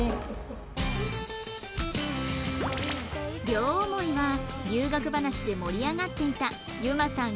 両思いは留学話で盛り上がっていた遊馬さん